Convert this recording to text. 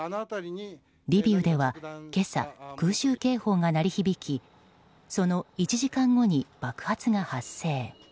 リビウでは今朝空襲警報が鳴り響きその１時間後に爆発が発生。